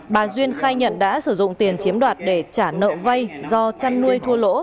bà duyên khai nhận đã sử dụng tiền chiếm đoạt để trả nợ vay do chăn nuôi thua lỗ